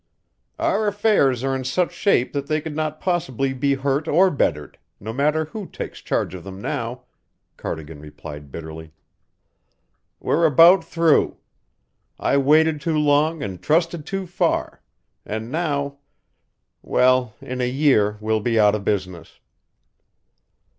"Our affairs are in such shape that they could not possibly be hurt or bettered, no matter who takes charge of them now," Cardigan replied bitterly. "We're about through. I waited too long and trusted too far; and now well, in a year we'll be out of business."